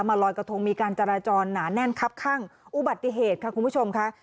ลอยกระทงมีการจราจรหนาแน่นครับข้างอุบัติเหตุค่ะคุณผู้ชมค่ะ